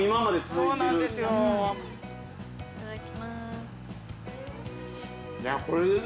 ◆いただきまーす。